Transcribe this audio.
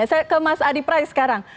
saya ke mas adi pray sekarang